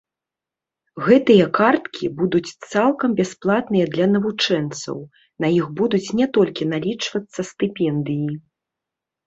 Гэтыя карткі будуць цалкам бясплатныя для навучэнцаў, на іх будуць не толькі налічвацца стыпендыі.